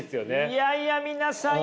いやいや皆さん